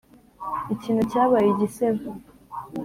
ikintu cyabaye igisebo!